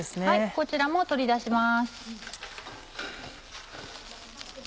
こちらも取り出します。